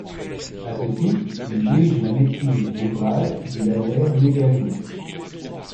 À ce titre, il dirige la maîtrise d’ouvrage du Laser Mégajoule.